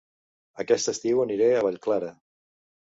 Aquest estiu aniré a Vallclara